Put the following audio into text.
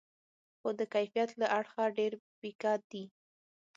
خو د کیفیت له اړخه ډېر پیکه دي.